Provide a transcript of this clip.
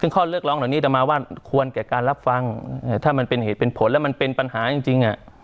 ซึ่งข้อเรียกร้องเหล่านี้จะมาว่าควรแก่การรับฟังถ้ามันเป็นเหตุเป็นผลแล้วมันเป็นปัญหาจริง